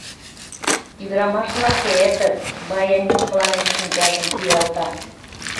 — Ӱдырамаш-влак кертыт! — баянист мыланем шинчажым пӱалта.